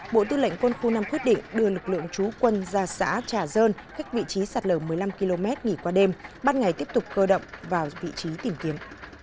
bộ tư lệnh quân khu năm quyết định đưa lực lượng trú quân ra xã trà dơn khách vị trí sạt lở một mươi năm km nghỉ qua đêm bắt ngày tiếp tục cơ động vào vị trí tìm kiếm